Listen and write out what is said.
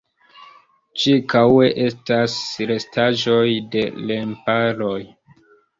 Ĉirkaŭe estas restaĵoj de remparoj.